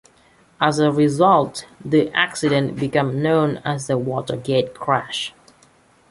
As a result, the accident became known as the Watergate crash.